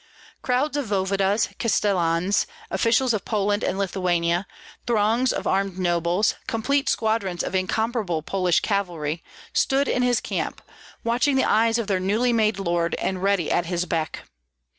Crowds of voevodas, castellans, officials of Poland and Lithuania, throngs of armed nobles, complete squadrons of incomparable Polish cavalry, stood in his camp, watching the eyes of their newly made lord and ready at his beck.